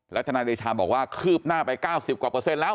ทนายเดชาบอกว่าคืบหน้าไป๙๐กว่าเปอร์เซ็นต์แล้ว